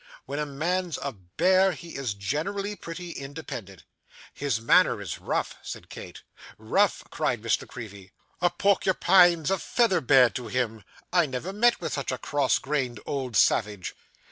'When a man's a bear, he is generally pretty independent.' 'His manner is rough,' said Kate. 'Rough!' cried Miss La Creevy, 'a porcupine's a featherbed to him! I never met with such a cross grained old savage.